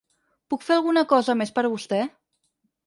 Puc fer algun cosa més per vostè?